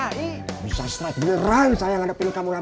waktu pencalonan rw dulu siapa saja yang sambung wilayah